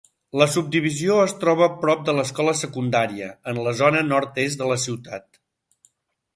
La subdivisió es troba prop de l'escola secundària, en la zona nord-est de la ciutat.